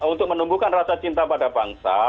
untuk menumbuhkan rasa cinta pada bangsa